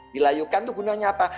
dilayukan itu gunanya apa